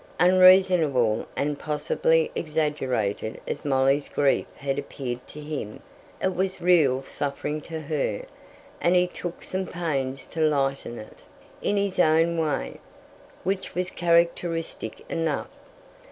Unreasonable and possibly exaggerated as Molly's grief had appeared to him, it was real suffering to her; and he took some pains to lighten it, in his own way, which was characteristic enough.